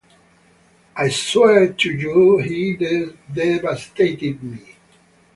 I swear to you-he devastated me.